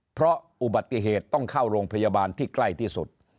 เพราะอุบัติเหตุต้องเข้าโรงพยาบาลที่ใกล้ที่สุด